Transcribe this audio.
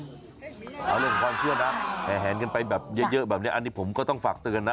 เอาเรื่องความเชื่อนะแห่แหนกันไปแบบเยอะแบบนี้อันนี้ผมก็ต้องฝากเตือนนะ